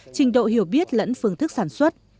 trình độ hiểu biết lẫn phương thức sản xuất